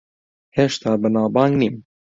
هێشتا بەناوبانگ نیم.